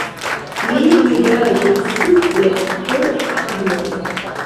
Li rigardis supren por agloj.